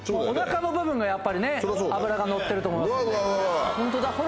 お腹の部分がやっぱりね脂がのってると思いますんで。